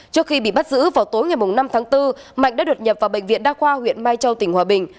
trước khi bị bắt giữ vào tối ngày năm tháng bốn mạnh đã đột nhập vào bệnh viện đa khoa huyện mai châu tỉnh hòa bình